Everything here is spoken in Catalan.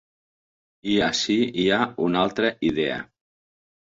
I ací hi ha una altra idea.